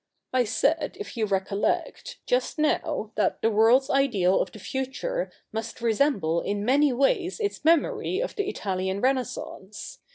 I said, if you recollect, just now, that the world's ideal of the future must resemble in many ways its memory of the Italian Renaissance.